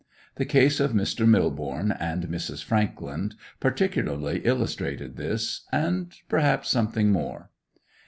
The case of Mr. Millborne and Mrs. Frankland particularly illustrated this, and perhaps something more.